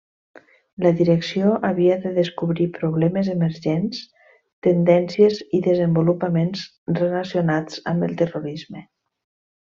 La Direcció havia de descobrir problemes emergents, tendències i desenvolupaments relacionats amb el terrorisme.